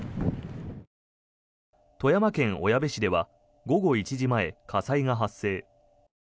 富山県小矢部市では午後１時前、火災が発生。